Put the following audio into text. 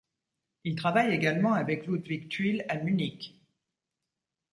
Il travaille également avec Ludwig Thuille à Munich.